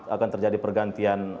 akan terjadi pergantian